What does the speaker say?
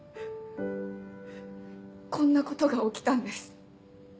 こんなことが起きたんです。